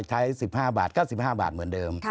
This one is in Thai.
ใช้๑๕บาท๙๕บาทเหมือนเดิม